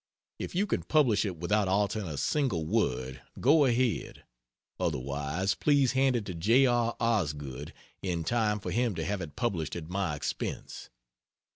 If you can publish it without altering a single word, go ahead. Otherwise, please hand it to J. R. Osgood in time for him to have it published at my expense.